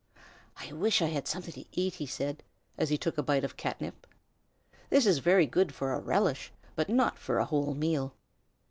"I wish I had something to eat," he said, as he took a bite of catnip. "This is very good for a relish, but not for a whole meal."